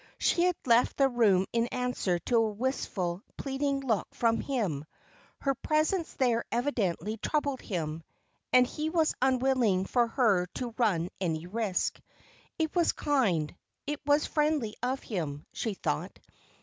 She had left the room in answer to a wistful, pleading look from him; her presence there evidently troubled him, and he was unwilling for her to run any risk. It was kind, it was friendly of him, she thought.